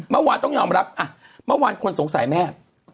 เมื่อวานต้องยอมรับเมื่อวานคนสงสัยแม่